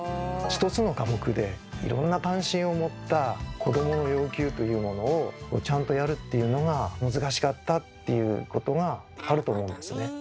１つの科目でいろんな関心を持った子どもの要求というものをちゃんとやるっていうのが難しかったっていうことがあると思うんですね。